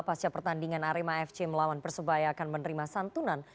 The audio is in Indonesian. pasca pertandingan arema fc melawan persebaya akan menerima santunan